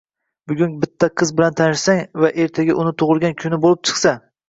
Bugun bitta qiz bilan tanishsang va ertaga uni tug'ilgan kuni bo'lib chiqsa..